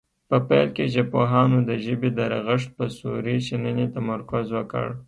په پیل کې ژبپوهانو د ژبې د رغښت په صوري شننې تمرکز وکړ